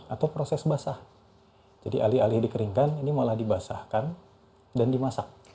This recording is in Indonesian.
atau proses basah jadi alih alih dikeringkan ini malah dibasahkan dan dimasak